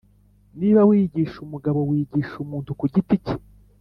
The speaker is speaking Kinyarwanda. niba wigisha umugabo wigisha umuntu kugiti cye